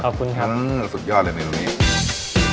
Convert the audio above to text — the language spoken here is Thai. ขอบคุณครับอืมสุดยอดเลยสะงางนี้